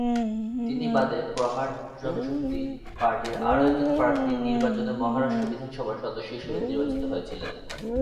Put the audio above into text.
তিনি বাদে প্রহার জনশক্তি পার্টির আরো একজন প্রার্থী নির্বাচনে মহারাষ্ট্র বিধানসভার সদস্য হিসেবে নির্বাচিত হয়েছিলেন।